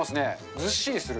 ずっしりする。